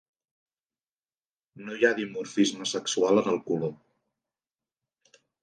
No hi ha dimorfisme sexual en el color.